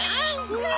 うわ！